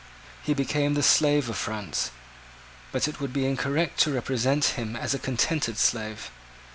He became the slave of France: but it would be incorrect to represent him as a contented slave.